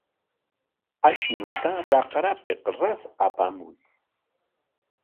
Ashnuta raqrapik ras apamuy.